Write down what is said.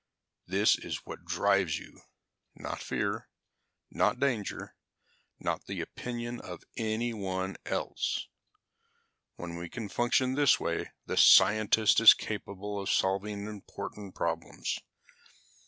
This is what drives you, not fear, not danger, not the opinion of anyone else. "When he can function this way, the scientist is capable of solving important problems.